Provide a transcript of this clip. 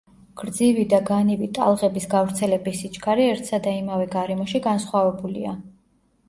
გრძივი და განივი ტალღების გავრცელების სიჩქარე ერთსა და იმავე გარემოში განსხვავებულია.